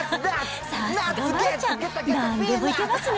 さすが丸ちゃん、なんでもいけますね。